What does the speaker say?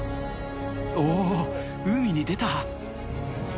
おー、海に出た。